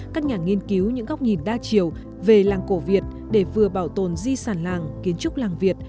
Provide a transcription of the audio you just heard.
các nhà nghiên cứu những góc nhìn đa chiều về làng cổ việt để vừa bảo tồn di sản làng kiến trúc làng việt